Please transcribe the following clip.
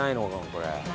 これ。